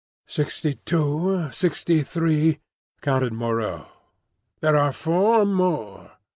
"Sixty two, sixty three," counted Moreau. "There are four more."